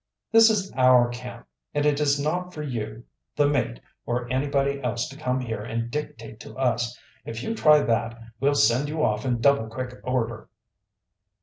"This is our camp, and it is not for you, the mate, or anybody else to come here and dictate to us. If you try that, we'll send you off in double quick order."